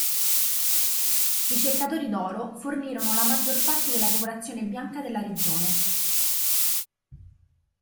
I cercatori d'oro fornirono la maggior parte della popolazione bianca nella regione.